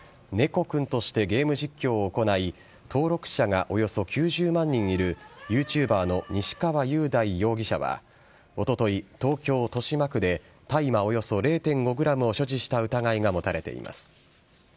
こくん！としてゲーム実況を行い登録者がおよそ９０万人いるＹｏｕＴｕｂｅｒの西川雄大容疑者はおととい、東京・豊島区で大麻およそ０．５ｇを所持した疑いが持たれています。